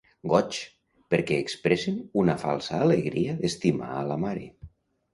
Goigs, perquè expressen una falsa alegria d'estimar a la Mare.